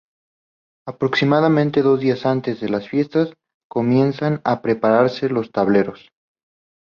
Aproximadamente dos días antes de las fiestas comienzan a prepararse los tableros.